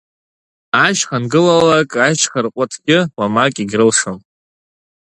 Ашьх ангылалак, ашьхарҟәыҭгьы уамак егьрылшом.